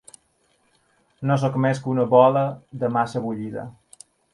No sóc més que una bola de massa bullida.